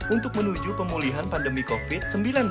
untuk menuju pemulihan pandemi covid sembilan belas